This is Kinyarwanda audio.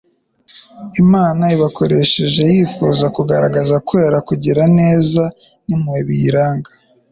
Imana ibakoresheje, yifuza kugaragaza kwera, kugira neza n'impuhwe biyiranga.